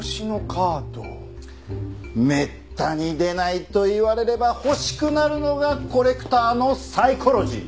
めったに出ないといわれれば欲しくなるのがコレクターのサイコロジー。